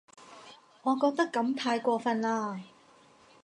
我覺得噉太過份喇